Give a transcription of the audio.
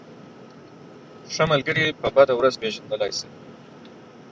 ښه ملگری په بده ورځ پېژندلی شې.